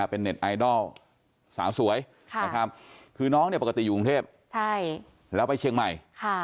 เป็นเน็ตไอดอลสาวสวยคือน้องปกติอยู่รุงเทพฯแล้วไปเชียงใหม่